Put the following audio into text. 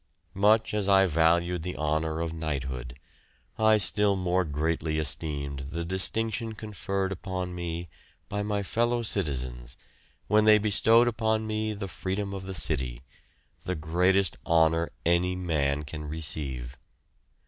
Much as I valued the honour of knighthood, I still more greatly esteemed the distinction conferred upon me by my fellow citizens when they bestowed upon me the freedom of the city the greatest honour any man can receive.